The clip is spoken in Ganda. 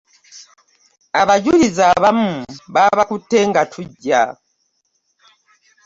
Abajulizi abamu baabakutte nga tujja.